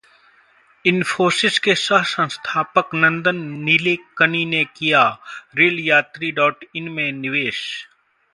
इंफोसिस के सह-संस्थापक नंदन निलेकणि ने किया railyatri.in में निवेश